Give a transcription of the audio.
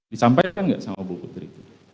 disampaikan tidak sama ibu putri